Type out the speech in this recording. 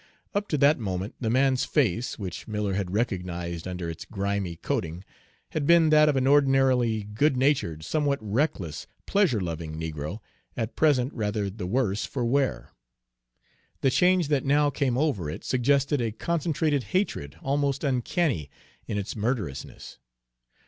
Up to that moment the man's face, which Miller had recognized under its grimy coating, had been that of an ordinarily good natured, somewhat reckless, pleasure loving negro, at present rather the worse for wear. The change that now came over it suggested a concentrated hatred almost uncanny in its murderousness.